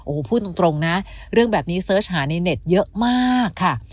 โอ้โหพูดตรงนะเรื่องแบบนี้เสิร์ชหาในเน็ตเยอะมากค่ะ